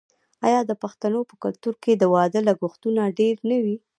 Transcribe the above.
آیا د پښتنو په کلتور کې د واده لګښتونه ډیر نه وي؟